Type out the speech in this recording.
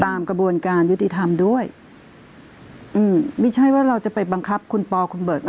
ตามกระบวนการยุติธรรมด้วยอืมไม่ใช่ว่าเราจะไปบังคับคุณปอคุณเบิร์ตมา